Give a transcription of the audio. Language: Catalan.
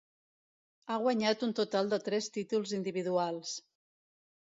Ha guanyat un total de tres títols individuals.